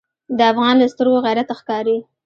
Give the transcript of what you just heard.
د افغان له سترګو غیرت ښکاري.